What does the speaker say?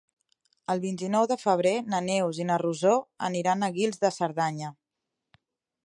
El vint-i-nou de febrer na Neus i na Rosó aniran a Guils de Cerdanya.